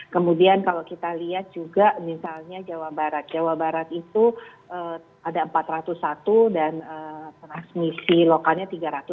kemudian kalau kita lihat juga misalnya jawa barat jawa barat itu ada empat ratus satu dan transmisi lokalnya tiga ratus